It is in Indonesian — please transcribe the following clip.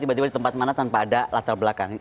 tiba tiba di tempat mana tanpa ada latar belakang